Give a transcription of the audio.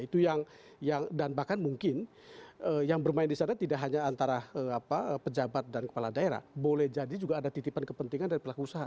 itu yang dan bahkan mungkin yang bermain di sana tidak hanya antara pejabat dan kepala daerah boleh jadi juga ada titipan kepentingan dari pelaku usaha